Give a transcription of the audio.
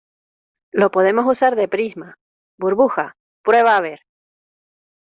lo podemos usar de prisma. burbuja, prueba a ver .